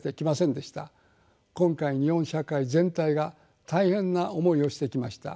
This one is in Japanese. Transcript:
今回日本社会全体が大変な思いをしてきました。